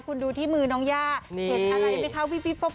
คุณดูที่มือน้องย่าเห็นอะไรไหมคะพี่โป๊